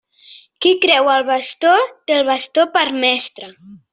Qui creu el bastó, té el bastó per mestre.